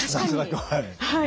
はい。